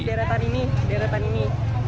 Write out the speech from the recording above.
deretan ini deretan ini